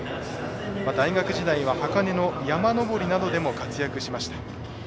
大学時代は箱根の山登りなどでも活躍しました。